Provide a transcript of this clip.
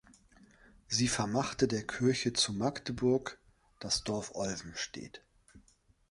Sie vermachte der Kirche zu Magdeburg das Dorf Olvenstedt.